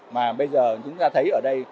mà bây giờ chúng ta thấy ở đây